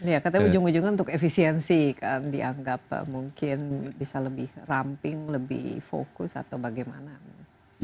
ya katanya ujung ujungnya untuk efisiensi kan dianggap mungkin bisa lebih ramping lebih fokus atau bagaimana